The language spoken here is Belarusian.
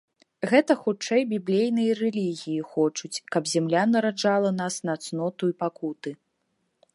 Гэта хутчэй біблейныя рэлігіі хочуць, каб зямля нараджала нас на цноту і пакуты.